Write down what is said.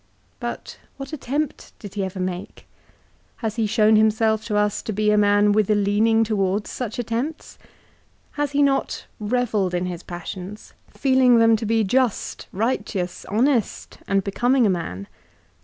But what attempt did he ever make? Has he shown himself to us to be a man with a leaning towards such attempts? Has he not revelled in his passions, feeling them to be just, righteous, honest, and becoming a man